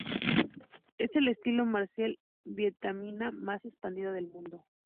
Es el estilo marcial vietnamita más expandido del mundo.